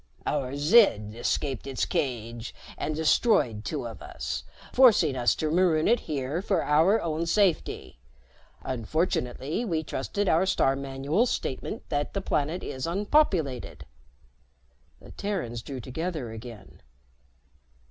"Our Zid escaped its cage and destroyed two of us, forcing us to maroon it here for our own safety. Unfortunately, we trusted our star manual's statement that the planet is unpopulated." The Terrans drew together again.